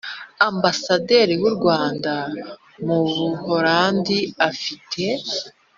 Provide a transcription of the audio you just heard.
Ambasaderi w u rwanda mu buholandi afite